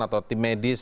atau tim medis